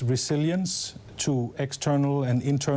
ในวิสุทธิ์ไนอยู่